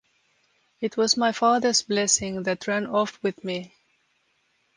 It was my father’s blessing that ran off with me’.